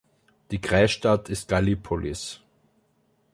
Die Kreisstadt ist Gallipolis.